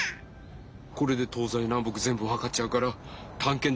これで東西南北ぜんぶわかっちゃうからたんけん